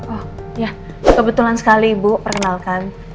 oh ya kebetulan sekali ibu pernalkan